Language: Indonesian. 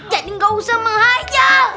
jadi gak usah menghayal